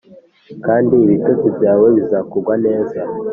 kandi ibitotsi byawe bizakugwa neza